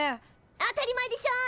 当たり前でしょ！